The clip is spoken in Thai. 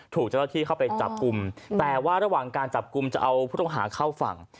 ถูกเจ้าหน้าที่เข้าไปจับกลุ่มแต่ว่าระหว่างการจับกลุ่มจะเอาผู้ต้องหาเข้าฝั่ง